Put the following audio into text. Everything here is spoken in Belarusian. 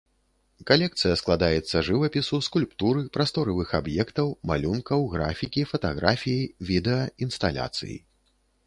Калекцыя складаецца жывапісу, скульптуры, прасторавых аб'ектаў, малюнкаў, графікі, фатаграфіі, відэа, інсталяцый.